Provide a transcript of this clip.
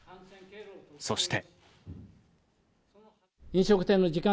そして。